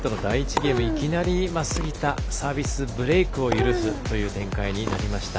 ゲームいきなり、杉田サービスブレークを許すという展開になりました。